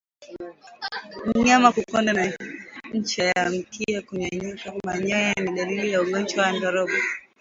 Mnyama kukonda na ncha ya mkia kunyonyoka manyoya ni dalili ya ugonjwa wa ndorobo